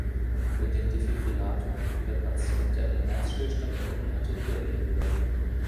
Mit dem Defibrillator konnte der Patient, der einen Herzstillstand erlitten hatte, wiederbelebt werden.